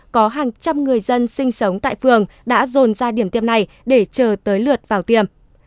có hàng trăm người dân sinh sống tại phường đã dồn ra điểm tiêm này để chờ tới lượt vào tiêm